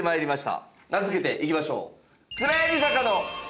名付けていきましょう。